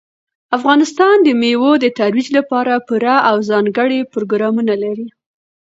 افغانستان د مېوو د ترویج لپاره پوره او ځانګړي پروګرامونه لري.